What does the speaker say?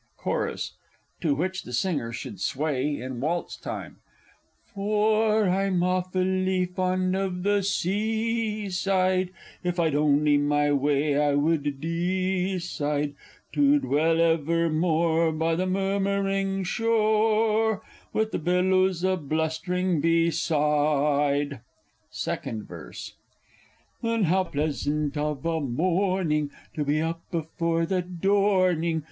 Chorus (to which the singer should sway in waltz time). For I'm offully fond of the Sea! side! If I'd only my w'y I would de cide To dwell evermore, By the murmuring shore, With the billows a blustering be side! Second Verse. Then how pleasant of a morning, to be up before the dorning!